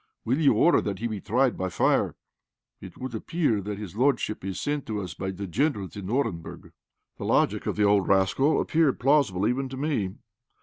Will you order that he be tried by fire? It would appear that his lordship is sent to us by the Generals in Orenburg." The logic of the old rascal appeared plausible even to me.